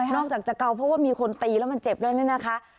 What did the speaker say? อกจากจะเกาเพราะว่ามีคนตีแล้วมันเจ็บแล้วเนี่ยนะคะ